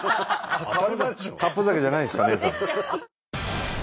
カップ酒じゃないですからねえさん。